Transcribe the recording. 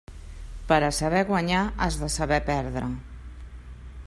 Per a saber guanyar has de saber perdre.